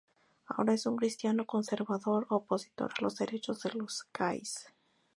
Ahora es un cristiano conservador opositor a los derechos de los gais.